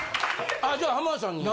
じゃあ浜田さんに。